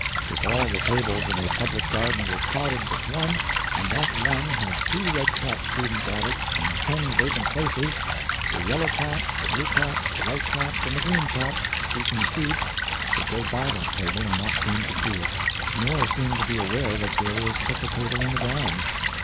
If all the tables in a public garden were crowded but one, and that one had two red cap students at it and ten vacant places, the yellow caps, the blue caps, the white caps, and the green caps, seeking seats, would go by that table and not seem to see it, nor seem to be aware that there was such a table in the grounds.